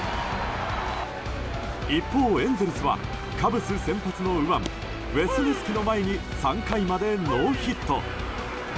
一方、エンゼルスはカブス先発の右腕ウェスネスキの前に３回までノーヒット。